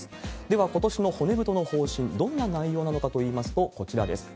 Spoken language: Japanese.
では、ことしの骨太の方針、どんな内容なのかといいますと、こちらです。